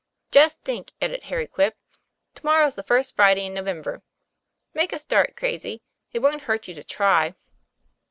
'Just think," added Harry Quip, 'to morrow's the first Friday in November. Make a start, Crazy; it wont hurt you to try."